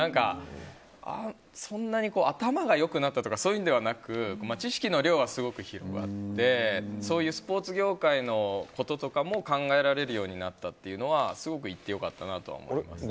そんなに頭が良くなったとかそういうのではなく知識の量はすごく広くなってそういうスポーツ業界のこととかも考えられるようになったのはすごく行ってよかったなと思います。